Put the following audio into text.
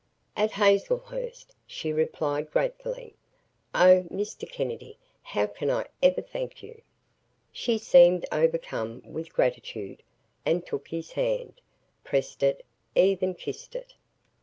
"At Hazlehurst," she replied, gratefully. "Oh, Mr. Kennedy, how can I ever thank you?" She seemed overcome with gratitude and took his hand, pressed it, even kissed it.